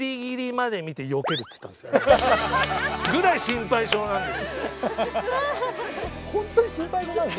ぐらい心配性なんです。